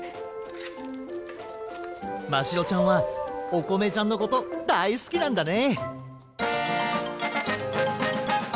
ましろちゃんはおこめちゃんのことだいすきなんだね！